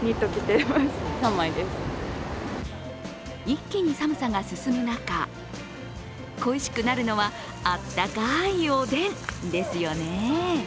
一気に寒さが進む中恋しくなるのは温かいおでんですよね。